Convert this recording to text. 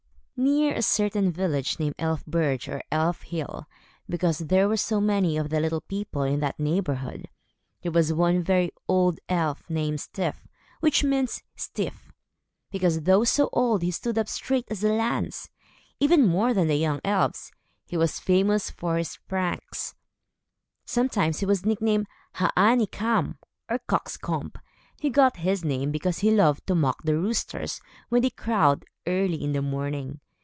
Near a certain village named Elf berg or Elf Hill, because there were so many of the little people in that neighborhood, there was one very old elf, named Styf, which means Stiff, because though so old he stood up straight as a lance. Even more than the young elves, he was famous for his pranks. Sometimes he was nicknamed Haan e' kam or Cock's Comb. He got this name, because he loved to mock the roosters, when they crowed, early in the morning.